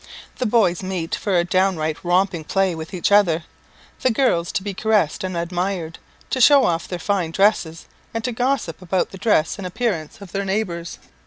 The boys meet for a down right romping play with each other; the girls to be caressed and admired, to show off their fine dresses, and to gossip about the dress and appearance of their neighbours.